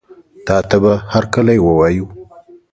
تاته به هرکلی ووایو.